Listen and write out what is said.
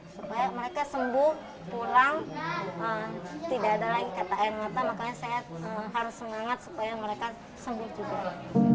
supaya mereka sembuh pulang tidak ada lagi kata air mata makanya saya harus semangat supaya mereka sembuh juga